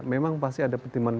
memang pasti ada pertimbangan